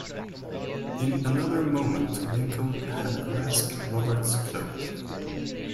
In another moment Lincoln had grasped Robert’s cloak.